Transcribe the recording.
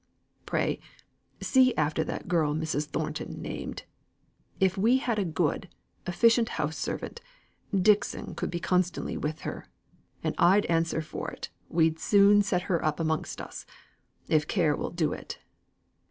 Pray, see after that girl Mrs. Thornton named. If we had a good, efficient house servant, Dixon could be constantly with her, and I'd answer for it we'd soon set her up amongst us, if care will do it.